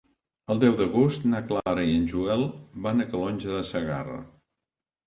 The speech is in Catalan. El deu d'agost na Clara i en Joel van a Calonge de Segarra.